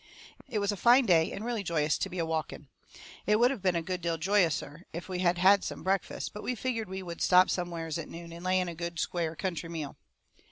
It was a fine day, and really joyous to be a walking. It would of been a good deal joyouser if we had had some breakfast, but we figgered we would stop somewheres at noon and lay in a good, square, country meal.